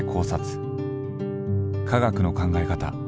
科学の考え方